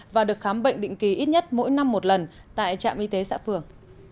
và được khám bệnh định kỳ ít nhất mỗi năm một lần tại trạm y tế xã phường